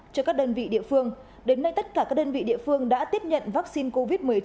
cho các đơn vị địa phương đến nay tất cả các đơn vị địa phương đã tiếp nhận vaccine covid một mươi chín